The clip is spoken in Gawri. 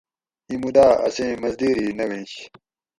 ایں مودا اسیں مزدیری نہ وینش